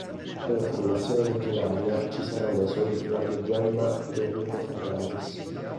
Della formazione originaria ci saranno i soli Flavio Gemma ed Enrico Ferraris.